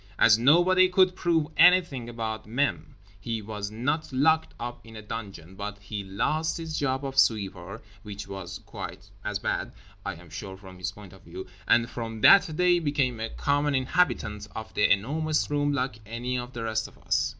As nobody could prove anything about Même, he was not locked up in a dungeon; but he lost his job of sweeper—which was quite as bad, I am sure, from his point of view—and from that day became a common inhabitant of The Enormous Room like any of the rest of us.